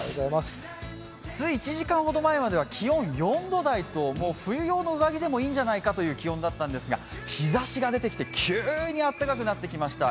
つい１時間ほど前までは気温４度台と冬用の上着でもいいんではないかという感じだったんですが日ざしが出てきて急に暖かくなってきました。